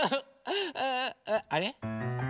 あれ？